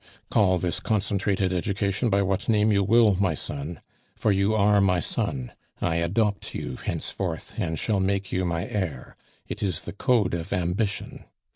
"Call this concentrated education by what name you will, my son, for you are my son, I adopt you henceforth, and shall make you my heir; it is the Code of ambition.